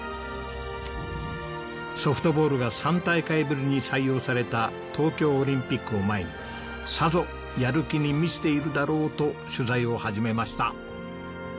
ソフトボールが３大会ぶりに採用された東京オリンピックを前にさぞやる気に満ちているだろうと取材を始めました。